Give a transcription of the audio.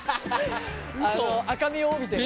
赤みを帯びてね。